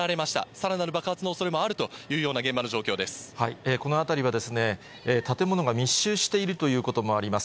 さらなる爆発のおそれもあるといこの辺りは建物が密集しているということもあります。